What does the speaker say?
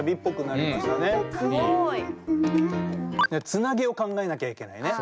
つなぎを考えなきゃいけないね。